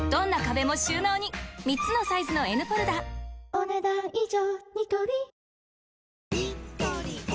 お、ねだん以上。